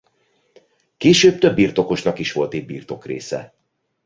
Később több birtokosnak is volt itt birtokrésze.